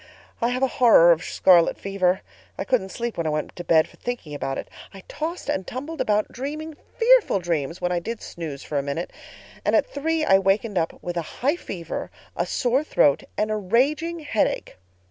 I have a horror of scarlet fever. I couldn't sleep when I went to bed for thinking of it. I tossed and tumbled about, dreaming fearful dreams when I did snooze for a minute; and at three I wakened up with a high fever, a sore throat, and a raging headache.